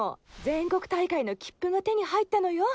全国大会の切符が手に入ったのよ。